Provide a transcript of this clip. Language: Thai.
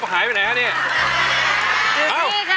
พี่โภค